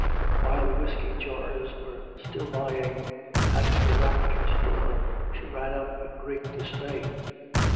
While the whiskey jars were still lying at the RafTertys* door, she ran up in great dismay.